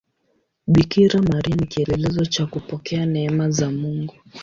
Bikira Maria ni kielelezo cha kupokea neema za Mungu.